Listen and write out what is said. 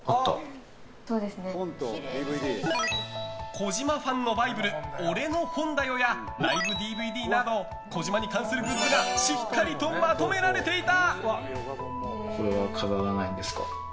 児嶋ファンのバイブル「俺の本だよ！！」やライブＤＶＤなど児嶋に関するグッズがしっかりとまとめられていた。